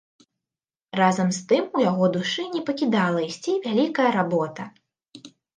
Разам з тым у яго душы не пакідала ісці вялікая работа.